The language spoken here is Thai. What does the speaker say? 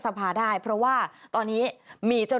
แต่ว่าไม่สามารถผ่านเข้าไปที่บริเวณถนน